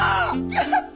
やった！